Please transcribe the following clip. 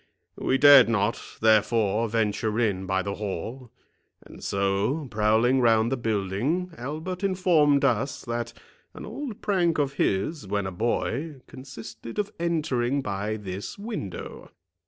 We dared not, therefore, venture in by the hall; and so, prowling round the building, Albert informed us, that an old prank of his, when a boy, consisted of entering by this window.